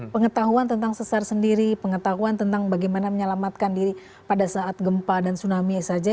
pengetahuan tentang sesar sendiri pengetahuan tentang bagaimana menyelamatkan diri pada saat gempa dan tsunami saja